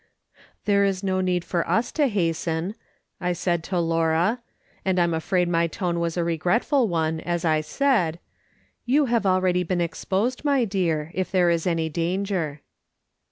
"There is no need for us to hasten," I said to Laura — and I'm afraid my tone was a regretful one as I Faid —" you have already been exposed, my dear, if there is any danger."